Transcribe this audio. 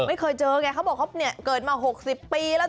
ไม่เคยเจอไงเขาบอกเขาเนี่ยเกิดมา๖๐ปีแล้ว